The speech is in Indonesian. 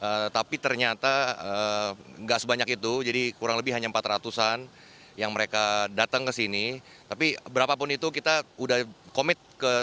seharusnya tidak banyak lagi karena kita hanya jual kurang lebih enam puluh ribuan tiket